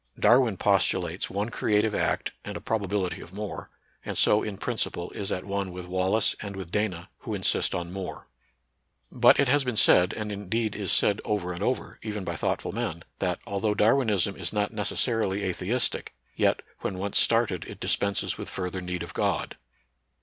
Darwin postu lates one creative act and a probability of more, and so in principle is at one with Wallace and with Dana, who insist on mtare. But it has been said, and indeed is said over and over, even by thoughtful men, that, al though Darwinism is not necessarily atheistic, yet, when once started it dispenses with further need of God.